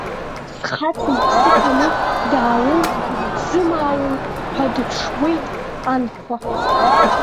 Схаҵа иԥсы ҭаны даауоу, дзымаауоу ҳәа дыԥшуеит анхәа.